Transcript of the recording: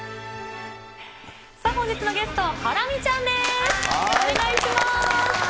本日のゲスト、ハラミちゃんです。